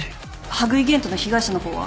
羽喰玄斗の被害者の方は？